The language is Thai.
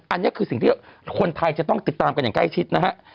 อันนี้คือสิ่งที่คนไทยจะต้องติดตามกันอย่างใกล้ชิดนะฮะ